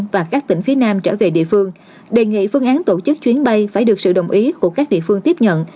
và các tỉnh phía nam trở về địa phương đề nghị phương án tổ chức chuyến bay phải được sự đồng ý của các địa phương tiếp nhận